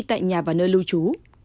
tại nhà và nơi lưu trú